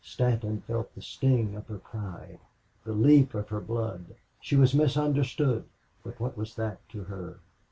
Stanton felt the sting of her pride, the leap of her blood. She was misunderstood, but what was that to her?